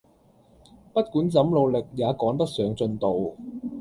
不管怎努力也趕不上進度